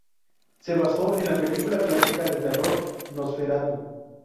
Se basó en la película clásica de terror Nosferatu.